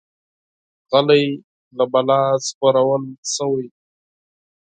غلی، له بلا ژغورل شوی.